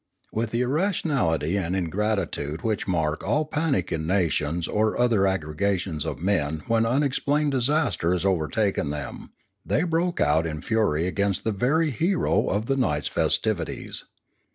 With the irra tionality and ingratitude which mark all panic in na tions or other aggregations of men when unexplained disaster has overtaken them, they broke out in fury against the very hero of the night's festivities.